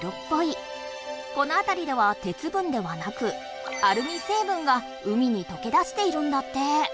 このあたりでは鉄分ではなくアルミ成分が海にとけ出しているんだって。